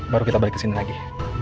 baru kita balik kesini lagi